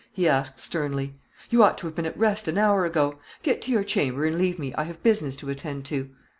he asked, sternly. "You ought to have been at rest an hour ago; get to your chamber, and leave me, I have business to attend to."